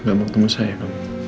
gak mau ketemu saya